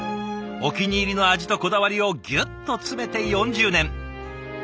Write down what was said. お気に入りの味とこだわりをぎゅっと詰めて４０年。